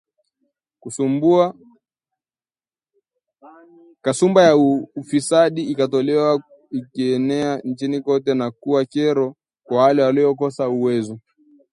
Kasumba ya ufisadi ilikolea ikaenea nchini kote na kuwa kero kwa wale waliokosa uwezo